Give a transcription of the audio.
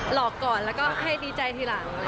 หลอกก่อนแล้วก็ให้ดีใจทีหลัง